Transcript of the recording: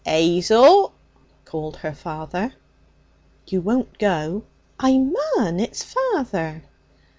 ''Azel!' called her father. 'You won't go?' 'I mun. It's father.'